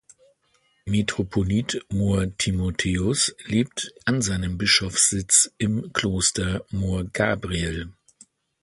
Metropolit Mor Timotheos lebt an seinem Bischofssitz im Kloster Mor Gabriel.